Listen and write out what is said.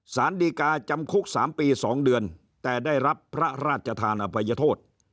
สารดีกาจำคุก๓ปี๒เดือนแต่ได้รับพระราชทานอภัยโทษ